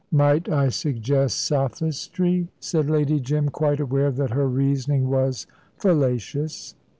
"Might I suggest 'sophistry'?" said Lady Jim, quite aware that her reasoning was fallacious.